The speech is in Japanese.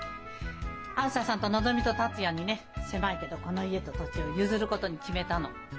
あづささんとのぞみと達也にね狭いけどこの家と土地を譲ることに決めたの。